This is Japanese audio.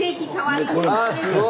あすごい！